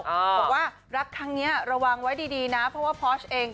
บอกว่ารักครั้งนี้ระวังไว้ดีนะเพราะว่าพอชเอง